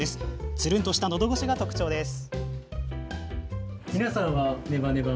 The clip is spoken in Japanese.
つるんとしたのどごしが特徴です。